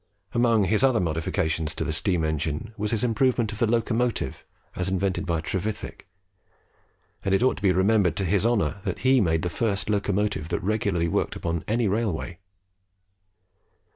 Among his other modifications in the steam engine, was his improvement of the locomotive as invented by Trevithick; and it ought to be remembered to his honour that he made the first locomotive that regularly worked upon any railway.